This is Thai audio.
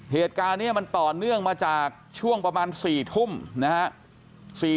เหตุการณ์นี้มันต่อเนื่องมาจากช่วงประมาณ๔ทุ่มนะฮะ